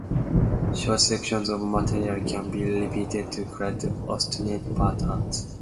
Short sections of material can be repeated to create ostinato patterns.